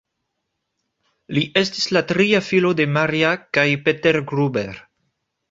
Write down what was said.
Li estis la tria filo de Maria kaj Peter Gruber.